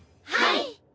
はい。